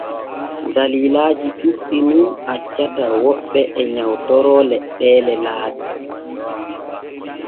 Dallillaaji ɗuuɗɗi nun accata woɓɓe e nyawtoro leɗɗeele laabi.